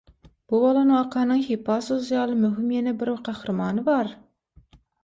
Bu bolan wakanyň Hippasus ýaly möhüm ýene bir gahrymany bar.